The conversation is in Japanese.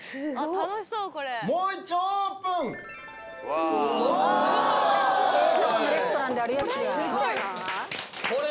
楽しそう、これ。